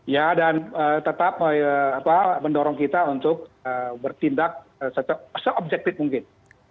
ya dan tetap mendorong kita untuk bertindak seobjektif mungkin